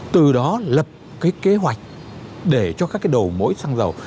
từ đó lập cái kế hoạch để cho các cái đầu mối xăng dầu